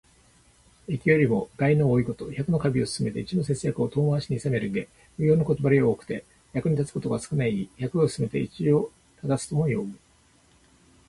益よりも害の多いこと。百の華美を勧めて一の節約を遠回しにいさめる意で、無用のことばかり多くて、役に立つことが少ない意。「百を勧めて一を諷す」とも読む。